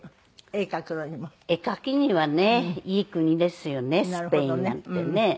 絵描きにはねいい国ですよねスペインなんてね。